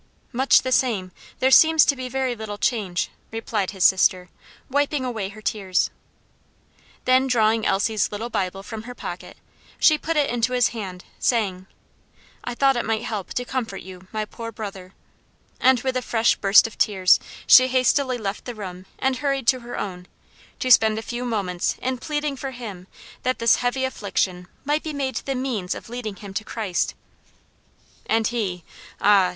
"Much the same; there seems to be very little change," replied his sister, wiping away her tears. Then drawing Elsie's little Bible from her pocket, she put it into his hand, saying, "I thought it might help to comfort you, my poor brother;" and with a fresh burst of tears she hastily left the room and hurried to her own, to spend a few moments in pleading for him that this heavy affliction might be made the means of leading him to Christ. And he ah!